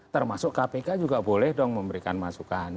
termasuk kpk juga boleh dong memberikan masukan